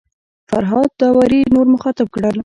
فرهاد داوري نور مخاطب کړل.